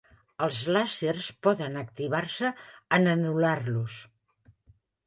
Els làsers poden activar-se en anular-los.